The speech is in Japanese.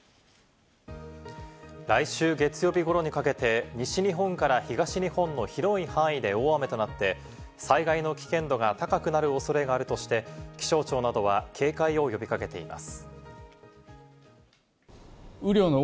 来週月曜日頃にかけて、西日本から東日本の広い範囲で大雨となって、災害の危険度が高くなる恐れがあるとして、気象庁などは警戒を呼び掛けています。